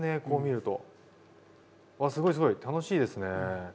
こう見ると。わすごいすごい楽しいですね。